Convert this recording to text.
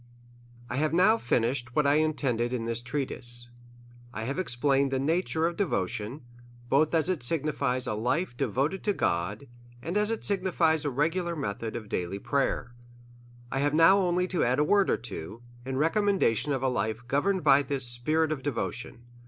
1 HAVE now finished what I intended in this Trea tise : 1 have explained the nature of devotion, both as it signifies a life devoted to God, and as it signifies a regular method of daily prayer. 1 have now only to add a word or two in recommendation of a life go verned by this spirit of devotion.